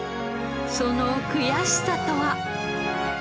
その悔しさとは？